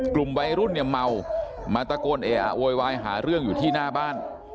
กลุ่มวัยรุ่นเนี่ยเมามาตะโกนเออะโวยวายหาเรื่องอยู่ที่หน้าบ้าน